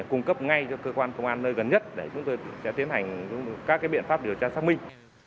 cung cấp ngay cho cơ quan công an nơi gần nhất để chúng tôi sẽ tiến hành các biện pháp điều tra xác minh